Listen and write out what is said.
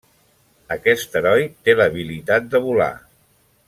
Aquest heroi té l'habilitat de volar.